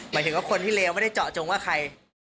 หมายถึงว่าคนที่เลวไม่ได้เจาะจงว่าใคร